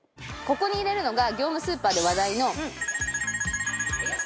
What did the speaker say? ここに入れるのが業務スーパーで話題の。